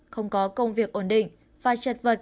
không có công việc ổn định và chật vật